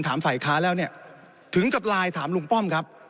ฝ่ายค้าแล้วเนี่ยถึงกับไลน์ถามลุงป้อมครับ